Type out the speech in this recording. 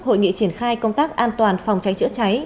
hội nghị triển khai công tác an toàn phòng cháy chữa cháy